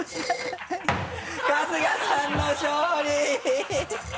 春日さんの勝利！